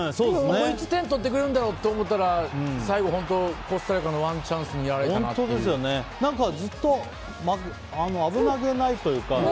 いつ点を取ってくれるんだろうと思ったら最後、本当コスタリカのワンチャンスにやられたなと。ずっと危なげないというか。